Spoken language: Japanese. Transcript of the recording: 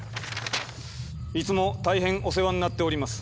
「いつも大変お世話になっております。